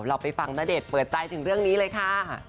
เราไปฟังณเดชน์เปิดใจถึงเรื่องนี้เลยค่ะ